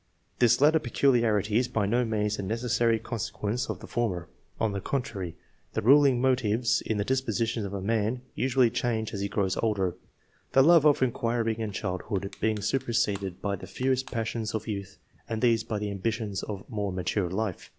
This latter peculiarity is by no means a necessary consequence of the former; Ill,] ORIGIN OF TASTE FOB SCIENCE. 193 on the contrary, the ruling motives in the disposition of a man usually change as he grows older, the love of inquiry in childhood being superseded by the fierce passions of youth, and these by the ambitions of more mature life.